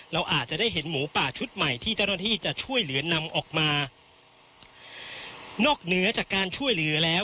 เราอาจจะได้เห็นหมูป่าชุดใหม่ที่เจ้าหน้าที่จะช่วยเหลือนำออกมานอกเหนือจากการช่วยเหลือแล้ว